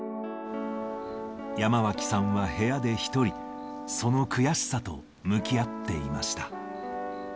山脇さんは部屋で１人、その悔しさと向き合っていました。